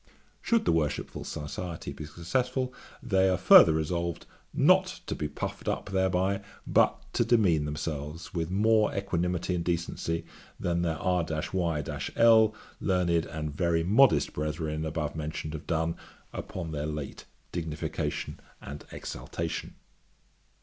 'Should the Worshipful Society be successful, they are farther resolved not to be puffed up thereby, but to demean themselves with more equanimity and decency than their R y l, learned, and very modest brethren above mentioned have done, upon their late dignification and exaltation.'